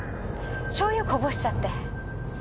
しょうゆこぼしちゃって。